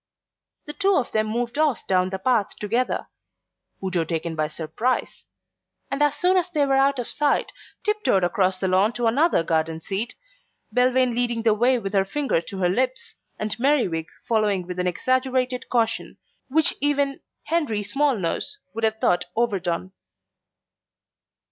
The two of them moved off down the path together (Udo taken by surprise), and as soon as they were out of sight, tiptoed across the lawn to another garden seat, Belvane leading the way with her finger to her lips, and Merriwig following with an exaggerated caution which even Henry Smallnose would have thought overdone.